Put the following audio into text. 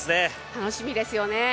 楽しみですよね。